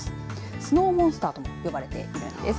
スノーモンスターとも呼ばれています。